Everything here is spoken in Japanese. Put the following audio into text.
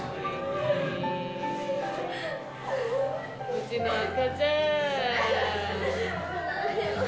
うちの赤ちゃん。